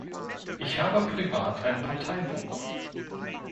Ich habe privat ein Parteibuch.